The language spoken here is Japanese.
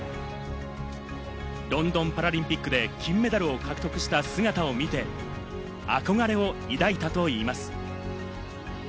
ロンドンパラリンピックで金メダルを獲得した姿を見て、憧れを抱いたといいます。